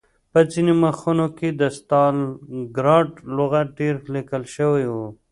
په ځینو مخونو کې د ستالنګراډ لغت ډېر لیکل شوی و